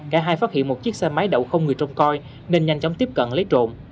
cả hai phát hiện một chiếc xe máy đậu không người trông coi nên nhanh chóng tiếp cận lấy trộm